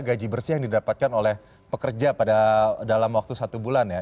gaji bersih yang didapatkan oleh pekerja dalam waktu satu bulan ya